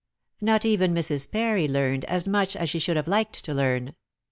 Not even Mrs. Parry learned as much as she should have liked to learn.